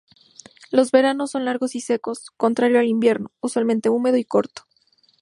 Los veranos son largos y secos, contrario al invierno, usualmente húmedo y corto.